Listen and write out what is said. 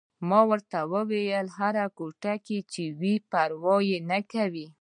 ما ورته وویل: هره کوټه چې وي، پروا نه کوي.